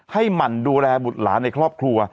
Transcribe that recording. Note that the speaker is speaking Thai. ให้หมั่นดูแลหมุดหลานในครอบครัว